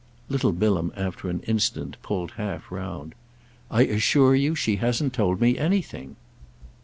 Little Bilham after an instant pulled half round. "I assure you she hasn't told me anything."